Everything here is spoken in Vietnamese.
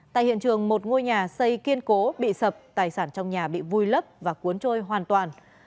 tại hiện trường một ngôi nhà xây kiên cố bị sập tài sản trong nhà bị vùi lấp và cuốn trôi hoàn toàn